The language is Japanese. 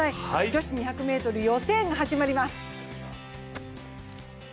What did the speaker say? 女子２００ｍ予選、始まります。